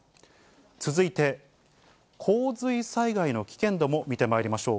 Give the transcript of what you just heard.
続いて、洪水災害の危険度も見てまいりましょう。